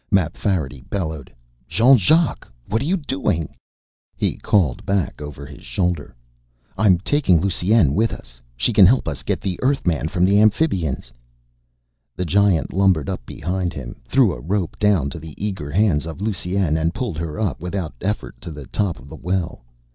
Mapfarity bellowed, "Jean Jacques, what are you doing?" He called back over his shoulder, "I'm taking Lusine with us! She can help us get the Earthman from the Amphibians!" The Giant lumbered up behind him, threw a rope down to the eager hands of Lusine and pulled her up without effort to the top of the well.